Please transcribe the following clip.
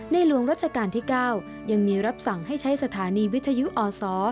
หลวงรัชกาลที่๙ยังมีรับสั่งให้ใช้สถานีวิทยุอศ